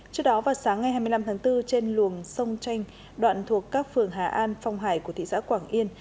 trước đó vào sáng ngày hai mươi năm tháng bốn trên luồng sông chanh đoạn thuộc các phường hà an phong hải của thị xã quảng yên